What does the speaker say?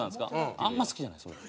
あんま好きじゃないです俺。